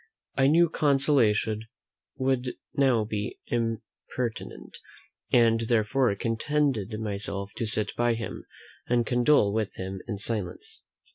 I knew consolation would now be impertinent; and, therefore, contented myself to sit by him, and condole with him in silence.